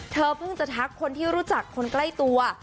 เธอเพิ่งจะทักคนที่รู้จักคนใกล้ตัว